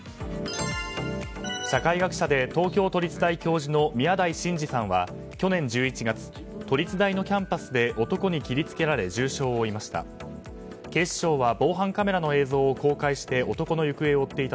社会学者で東京都立大教授の宮台真司さんは去年１１月都立大のキャンパスで男に切り付けられ重傷を負いました。